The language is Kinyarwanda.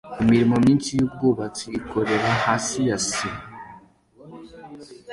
Imirimo myinshi yubwubatsi ikora hasi ya sima